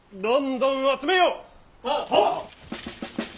はっ！